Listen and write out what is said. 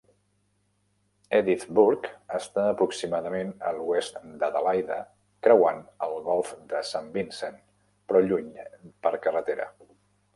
Edithburgh està aproximadament a l'oest d'Adelaida creuant el Golf de St Vincent, però lluny per carretera.